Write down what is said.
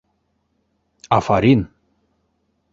Афарин!